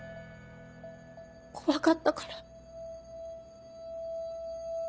怖かったから。